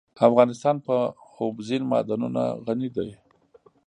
افغانستان په اوبزین معدنونه غني دی.